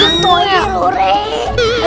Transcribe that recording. tunggu tolong ya